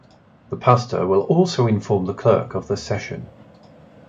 The pastor will also inform the clerk of the session